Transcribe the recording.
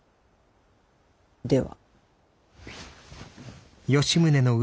では。